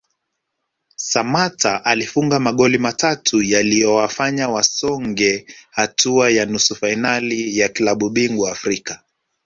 Samatta alifunga magoli matatu yaliyowafanya wasonge hatua ya nusu fainali ya klabu bingwa Afrika